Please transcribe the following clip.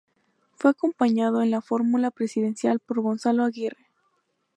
Fue acompañado en la fórmula presidencial por Gonzalo Aguirre.